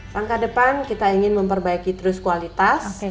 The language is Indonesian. langkah depan kita ingin memperbaiki terus kualitas